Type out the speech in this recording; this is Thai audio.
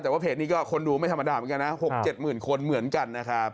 แต่ว่าเพจนี้ก็คนดูไม่ธรรมดาเหมือนกันนะ๖๗หมื่นคนเหมือนกันนะครับ